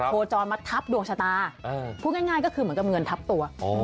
โคจรมาทับดวงชะตาพูดง่ายก็คือเหมือนกับเงินทับตัว